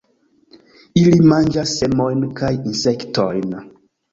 Ili manĝas semojn kaj insektojn.